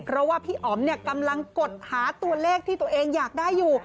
เพราะว่าพี่อ๋อมกำลังกดหาตัวเลขที่ตัวเองอยากได้อยู่